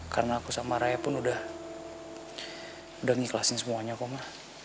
karena aku sama raya pun udah udah ngikhlasin semuanya kok ma